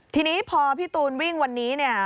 ทีนี้พอพี่ตูนวิ่งวันนี้เนี่ย